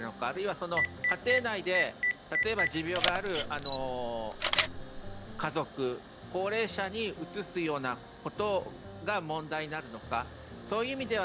あるいは家庭内で例えば持病がある家族、高齢者にうつすようなことが問題になるのか。